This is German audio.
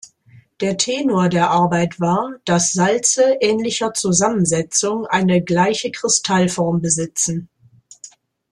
Der Tenor der Arbeit war, dass Salze ähnlicher Zusammensetzung eine gleiche Kristallform besitzen.